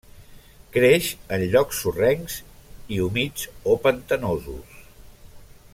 Creix en llocs sorrencs i humits o pantanosos.